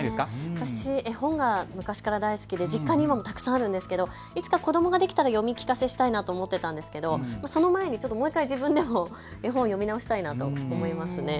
私、絵本が昔から大好きで実家にもたくさんあるんですけどいつか子どもができたら読み聞かせしたいなと思っていたんですが、その前に絵本読み直したいなと思います。